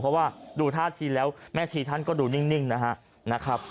เพราะว่าดูท่าทีแล้วแม่ชีท่านก็ดูนิ่งนะครับ